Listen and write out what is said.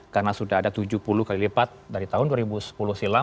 karena sudah ada tujuh puluh kali lipat dari tahun dua ribu sepuluh silam